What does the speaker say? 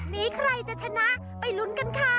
สุดนี้ใครจะชนะไปรุ้นกันค่ะ